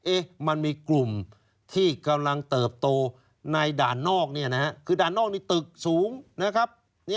มันมีกลุ่มที่กำลังเติบโตในด่านนอกเนี่ยนะฮะคือด่านนอกนี่ตึกสูงนะครับ